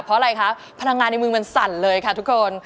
เพราะอะไรคะพลังงานในมือมันสั่นเลยค่ะทุกคน